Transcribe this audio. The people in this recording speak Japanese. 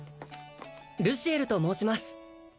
ルシエルと申します